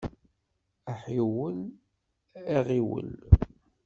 Aḥiwel, aɣiwel!